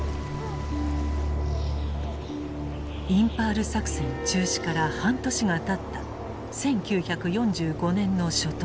インパール作戦中止から半年がたった１９４５年の初頭。